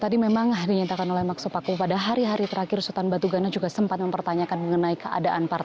tadi memang dinyatakan oleh maksupaku pada hari hari terakhir sultan batu gana juga sempat mempertanyakan mengenai keadaan pak maks